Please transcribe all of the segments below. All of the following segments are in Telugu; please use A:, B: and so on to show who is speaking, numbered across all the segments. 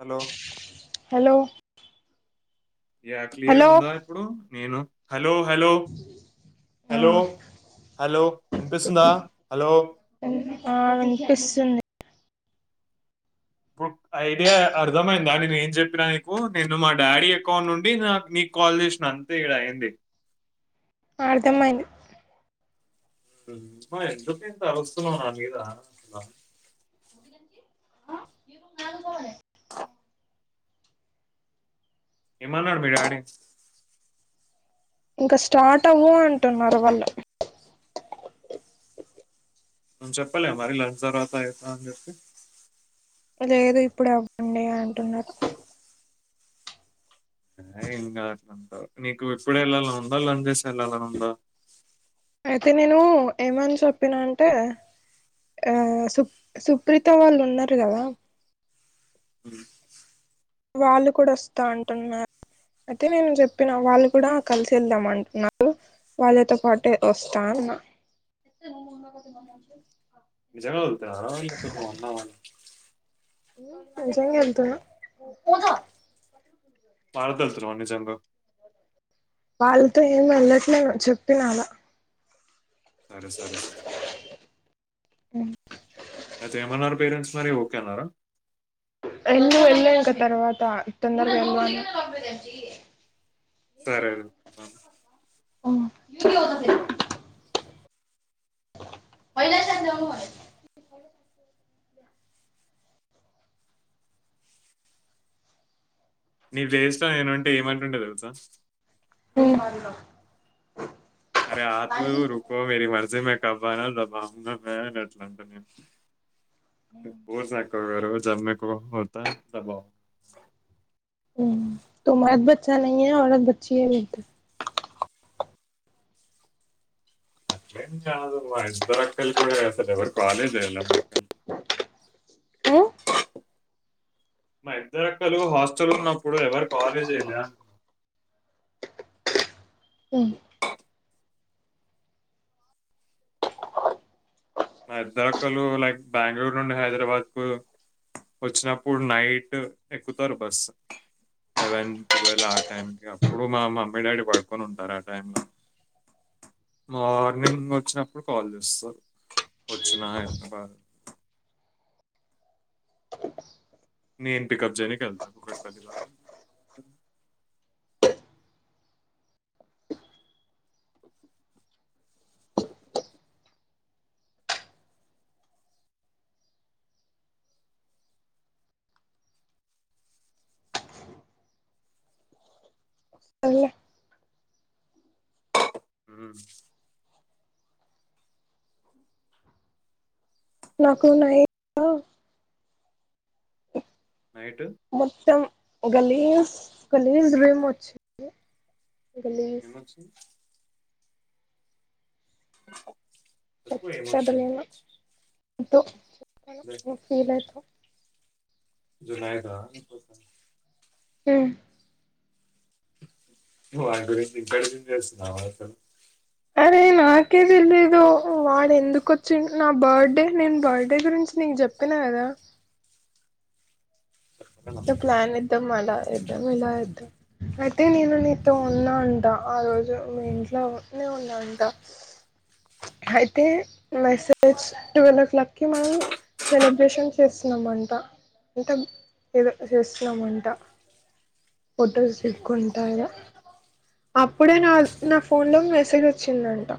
A: హలో
B: హలో
A: క్లియర్
B: హలో
A: ఉందా? ఇప్పుడు నేను. హలో హలో హలో హలో అనిపిస్తుందా హలో
B: ఆ వినిపిస్తుంది
A: ఐడియా అర్థమైందా? నేను ఏం చెప్పినా నీకు నేను మా డాడీ అకౌంట్ నుండి నాకు నీకు కాల్ చేసిన అంతే ఈడ అయింది.
B: అర్థమయింది.
A: మా ఎందుకే ఎంత అరుస్తున్నా వ్ నా మీద?
B: ఇకు నాలు
A: ఎమన్నారు భేడ అడ
B: ఇంకా స్టార్ట్ అవ్ అంటున్నారు వాళ్ళు
A: చెప్పల అరి ల జరవాత చెతే
B: లేదు ఇప్పుడు అవ్వండి అంటున్నారు
A: ఆ ఇం అంట నీకు ఇప్పుడ వెళ్ళాలని ఉందా లంచెస్ వెళ్ళాలని ఉందా
B: అయితే నేను ఏమని చెప్పినా అంటే ఆ సు సుప్రిత వాళ్ళు ఉన్నారు కదా
A: అ
B: వాళ్ళు కూడా వస్తా అంటున్నారు అయితే నేను చెప్పిన వాళ్ళు కూడా కలిసి వెళ్దాం అంటున్నారు వాళ్ళతో పాటే వస్తా అన్నా
A: జంగా ఉతు అరవపో అన్నావ
B: మజంగా ఎతునా
A: పారదలుతు రాన్ని చంగా
B: వాళ్ళతో ఏం వెళ్ళట్లేను చెప్పిన అలా
A: సరే సరే సరే
B: అ
A: అతే ఏమ అన పేరెంట్స్ మరి ఓక అన్నార
B: రన్నడు వెళ్ళాక తర్వాత తొందరగా వెళ్మను
A: సరేండి
B: ఆ మైనా సాంజవును మ
A: నీ వేస్ నేనంటే ఏమంటుంటే తెలుగుతా
B: న్నా
A: అరే ఆ తూ రుకో మరి మర్జీ మ కబాబా ఎట్లాంట నేను కోరు సకు గ జబ్ మకుత త
B: త మద బచ్చా న ఔత బచ్చీ బధ
A: అట్లేం కాదు మా ఇద్దరు అక్కలు కూడాస్తారు ఎవరు కాలేజ్ వెయాల అక్కలకి మా ఇద్దరక్కలు హాస్టల్ ఉన్నప్పుడు ఎవరు కవాలేజ్యలే అ మా ఇద్దరక్కళ్ళు లైక్ బెంగళూరు నుండి హైదరాబాద్ కు వచ్చినప్పుడు నైట్ ఎక్కుతారు బస్సు లెవెన్ ట్వెల్వ్ ఆ టైంకి అప్పుడు మా మమ్మీ డాడీ పడుకొని ఉంటారు ఆ టైమ్ మార్నింగ్ వచ్చినప్పుడు కాల్ చేస్తారు కుచ్చనా ఇ బార నేన్ పికప్ జని క వెల్త కుకట్ పాలి బ
B: స
A: హ
B: నాకుడున్నాయి
A: నైట్
B: మొత్తం గలీజ్ గలీజ్ మీమోచ్చింది.
A: ఏమోచ్చి చెప్పు ఏమొచ్చింది?
B: కట్టలేను తు నేను
A: అదే
B: నువ్ ఫీలైతవ్.
A: జునైట
B: ఉ
A: వాటి గురించి ఇంకా డెసిషన్ చేస్తున్న అసలు
B: అరే నాకే తెలియదు వాడు ఎందుకోచ్చి నా బర్త్డే నేను బర్త్డే గురించి నీకు చెప్పిన కదా
A: చెప్పకనే
B: ఇట్లా
A: వస్తున్నాను.
B: ప్లాన్ ఎద్దాం అలా
A: చెప్పు.
B: ఎద్దాం ఇలా ఇలా ఎద్దము అయితే నేను నీతో ఉన్నా అంట ఆ రోజు మీ ఇంట్లోనే ఉన్నా అంట అయితే మెసేజ్ ట్వీల్వ్ క్లాక్ కి మనం సెలబ్రేషన్ చేస్తున్నామంట అంటే ఏదో చేస్తున్నాము అంట ఫోటోస్ దిక్కుంట ఇగ అప్పుడే నా
A: హ్మ్.
B: నా ఫోన్ లో మెసేజ్ వచ్చిందంట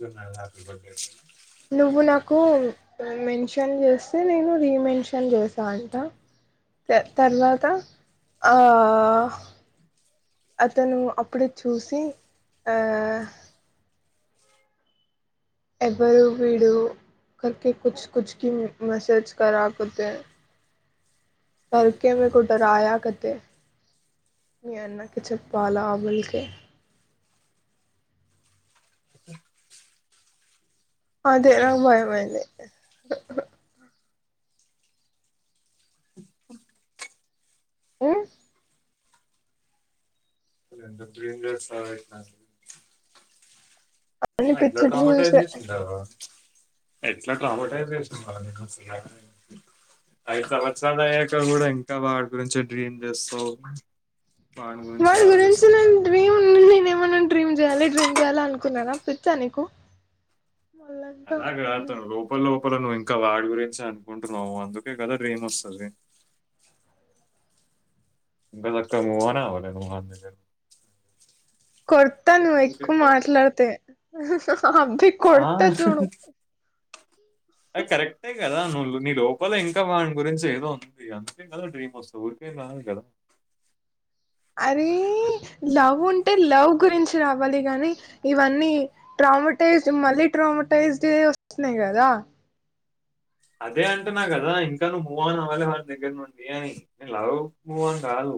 A: ఏముంది హ్యాపీ బర్త్డే అని
B: కు మెన్షన్ చేస్తే నేను రీ మెన్షన్ చేశా అంట తర్వాత ఆ అతను అప్పుడు చూసి ఆ ఎవరు విడు కర్కే కుచ్ కుచ్ కి మెసేజ్ కారకుతే
A: హ్మ్.
B: కర్కే మే కు రాయ కతే మీ అన్నకిి చెప్పాలా బుల్కే అదే నాకు భయమైంది ఊ
A: రెండు డేంజర్స్ అయ్ [inaudible]
B: అన్ని
A: అ ఎట్లా
B: పిచ్చి
A: ట్రామా ట్రై
B: డ్రీమ్స్ ఏ
A: చేస్తుడు వాడు ఎట్లా ట్రామా ట్రై చేస్తాండు వాడు నీకోసం ఐదు సంవత్సరాలు తాగేటోడు కూడా ఇంకా వాడి గురించి డ్రీమ్ చేస్తావు
B: వాడి గురించి నే డ్రీమ్ నేనే ఏమన్నా డ్రీమ్ చేయాలి డ్రీమ్ చెయాల అనుకు కున్నా నా పిచ్చా నీకు మళ్ళంటావ్
A: అలాగ
B: నన్ను
A: తాను లోపల లోపల ఇంకా ఇంకా వాడి గురించి అనుకుంటున్నాము అందుకే కదా డ్రీమ్ వస్తుంది నువ్వే అక్క మూ అనే అవ్వలే నువ్వు వాడు నుంచి
B: కొడతా నువ్వు ఎక్కువ మాట్లాడితే అభి
A: ఆ,
B: కొడత చూడు
A: అది కరెక్ట్ గా కదా నువ్వు నీ లోపల ఇంకా వాని గురించి ఏదో ఉంది అందుకే కదా డ్రీమ్ వస్తుంది ఊరికే ఏం రాదు కదా
B: అరే లవ్ ఉంటే లవ్ గురించి రావాలి గానీ ఇవన్నీ ట్రామటైజ్ మళ్ళీ ట్రామటైజ్డ్ వస్తున్నాయి కదా
A: అదే అంటున్న కదా ఇంకా నువ్వు మూ ఆన్ అవ్వాలి వాడి దగ్గర నుండి అని నేను లవ్ మూఆన్ గాదు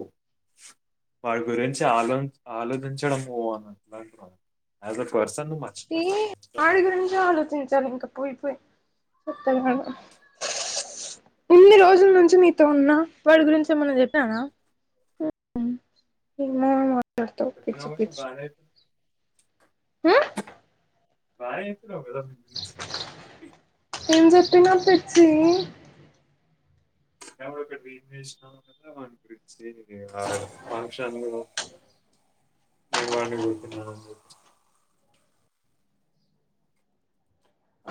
A: వాడి గురించి ఆలో ఆలోచించడం మూ ఆన్ అలా యాజ్ అ పర్సన్ నువ్వు
B: ఏ
A: మర్చిపోతావు
B: ఆడు గురించి ఆలోచించించాల ఇంకా పోయిపోయి చెత్తగాడు ఇన్ని రోజుల నుంచి నీతో ఉన్నా వాడి గురించి ఏమన్నా చెప్పానా హు ఏమో మాట్లాడుతావ్ పిచ్చి
A: చెప్పినావు కదా
B: పిచ్చి
A: బాగా అయిపోయినావు
B: ఊహు
A: బానే చెప్పినావు కదా
B: ఏం చెప్పిన పిచ్చి
A: మేము అప్పుడు ఒక బిట్ చేసినాము కదా ద [inaudible] గురించి న ఆ ఫంక్షన్ నేను వాడిని కొట్టిన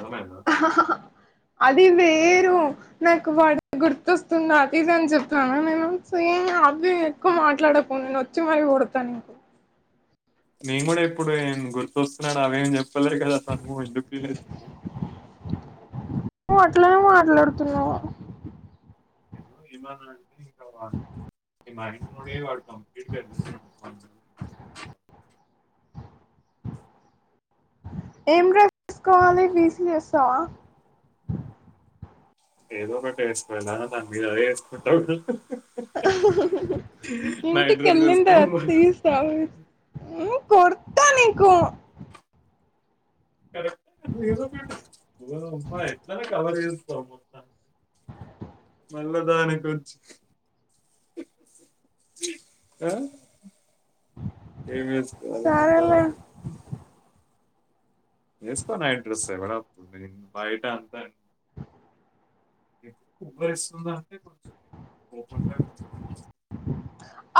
A: నువ్వే అన్నావ్
B: అది వేరు నాకు వాడు గుర్తొస్తుంది అది ఇది అని చెప్తాను నేను చి ఆ అభి ఎక్కువ మాట్లాడకు నేను వచ్చి మరి కొడతాను నీకు
A: నేను కూడా ఇప్పుడు వేం గుర్తొస్తున్నావు అవేం చెప్పలే కదా తను ఎందుకు ఫీల్ అయితుందో
B: నువ్వు అట్లానే మాట్లాడుతున్నావ
A: ఏమన్నా అంటే ఇంకా వాని ఏమి అడిగినవాడే కంప్లీట్ [unintelligible]
B: ఏం [unintelligible] తీసుకోవాలి వీసి వేస్తావా
A: ఏదో ఒకటి వేసుకో ఏంది అన్న దాన్ని మీదే నే వేసుకుంటావు
B: హహహ
A: నైట్
B: ఇంటికి
A: డ్రెస్
B: వెళ్ళిన తర్వాత
A: వేసుకోవాలి
B: తీసిస్తావా కొడతా నీకు
A: కరెక్ట్ ఐ కదా ఏదో ఒక్కటి ఓరి అమ్మ ఎట్లా అయినా కవర్ చేసుకో మొత్తానికి అన్నదానికి కోచ్చు హహహ ఆ ఏమీ వేసుకోవాలి
B: సరేలే
A: [unintelligible] వేస్తా నైట్ అడ్రస్ అయినా తుంది బయట అంతా ఉబ్బరిస్తుందా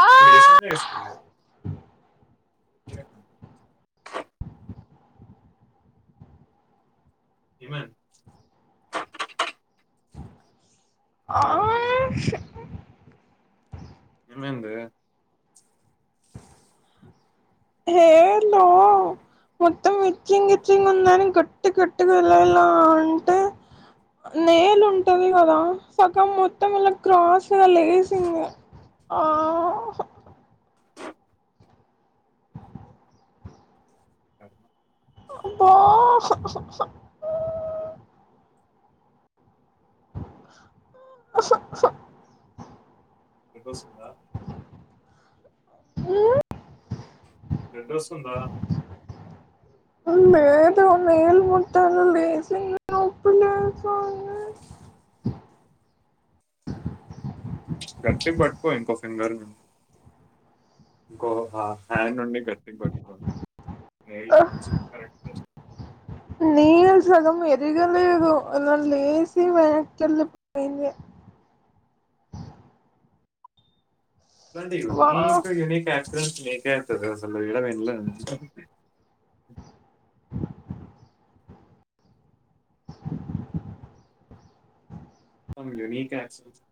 B: ఆ
A: ఇప్పుడు వేసిందే వేసుకో ఇక ఏం అయింది
B: ఆ
A: ఏమైందే
B: హెయిర్ లో మొత్తం ఇచ్చింగ్ ఇచ్చింగ్ ఉందని గట్టి గట్టిగా ఇలా ఇలా అంటే నేలు ఉంటది కదా సగం మొత్తం ఇలా క్రాస్ గా లేసింది ఆ
A: అ
B: అబ్బా అహహ హహహ
A: నేప్పి వస్తుందా
B: ఉ
A: బ్లడ్ వస్తుందా
B: లేదు నైల్ మొత్తం లేసి నొప్పి లేస్తోంది
A: గట్టి పట్టుకో ఇంక ఫింగర్ నీ ఇంకో హా హ్యాండ్ ఉండి గట్టికి పట్టుకోలి నెయిల్ నుంచి కరెక్ట్ చేస్
B: ఇరగ లేదు అలా లేసి వెనక్కి వెళ్ళిపోయింది వా
A: [unintelligible] [unintelligible]
B: [inaudible]
A: [unintelligible]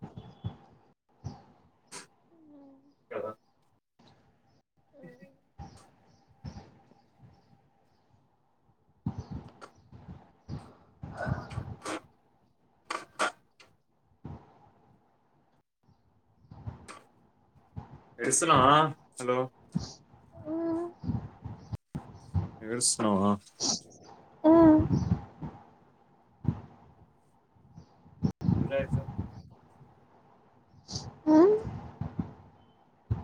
A: కద [inaudible] ఏడుస్తున్నావా హలో
B: ఆ
A: ఎస్ హు ఆ
B: ఆ
A: ఇలా ఏ సన్
B: ఆ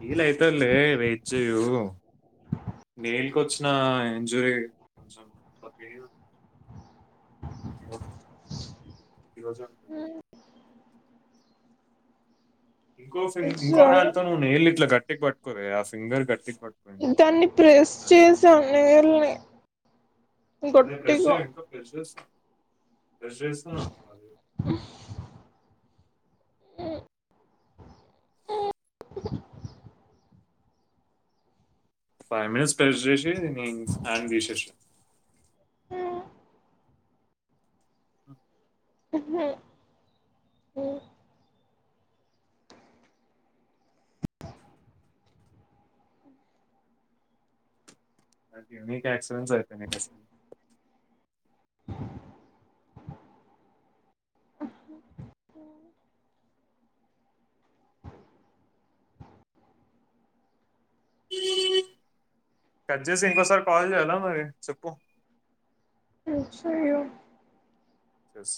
A: వీల్ అయితలే వెయిట్ చేయు నేల్క వచ్చిన ఎంజాయ్ కొంచెం [inaudible] ఇన్ని కొట్టు ఈ రోజు అంతలేద్ ఇంకో ఫీని ఇంకో
B: సరే
A: హ్యాంతోను నేళ్లూ ఇట్లా కట్ గట్టిగా బట్కో రే ఆ ఫింగర్ గట్టి
B: దాన్ని ప్రెస్ చేసాం నెయిల్ నీ
A: అదే ప్రెస్
B: గట్టిగా
A: చేయి ఇంకా ప్రెస్ చేస్తా ప్రెస్ జేసినా కాలే ఫైవ్ మినిట్స్ ప్రెస్ చేసి నీ హ్యాండ్ తీశేషా
B: ఉమ్, ఉమ్, ఉమ్.
A: నాక్ ఇవ్నీక అక్షురే సరిపోయినాయి డ్రెస్సులు కట్ జేసీ ఇంకోసారి కాల్ చేయాల మరి చెప్పు
B: యో చేయు
A: చేస్